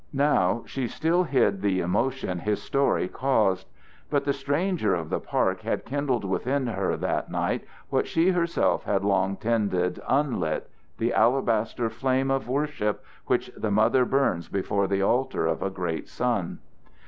Now she still hid the emotion his story caused. But the stranger of the park had kindled within her that night what she herself had long tended unlit the alabaster flame of worship which the mother burns before the altar of a great son.